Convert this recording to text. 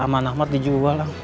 aman ahmad dijual ang